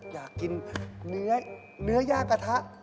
อยากกินเนื้อย่างกระทะ